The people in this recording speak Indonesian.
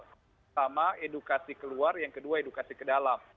pertama edukasi keluar yang kedua edukasi ke dalam